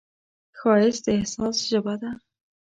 ښایست د احساس ژبه ده